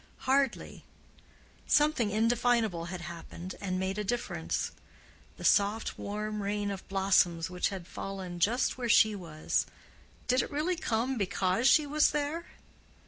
Hardly. Something indefinable had happened and made a difference. The soft warm rain of blossoms which had fallen just where she was—did it really come because she was there?